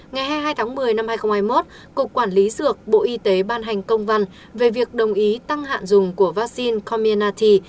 ngày hai mươi hai tháng một mươi năm hai nghìn hai mươi một cục quản lý dược bộ y tế ban hành công văn về việc đồng ý tăng hạn dùng của vaccine commenrti